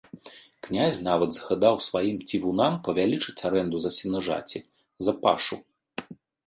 Князь нават загадаў сваім цівунам павялічыць арэнду за сенажаці, за пашу.